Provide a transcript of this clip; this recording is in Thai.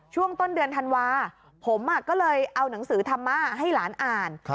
ช่วงต้นเดือนธันวาผมก็เลยเอาหนังสือธรรม่าให้หลานอ่าน